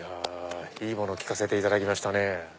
いいものを聴かせていただきましたね。